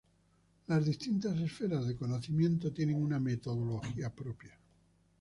Las distintas esferas de conocimiento tienen una metodología propia.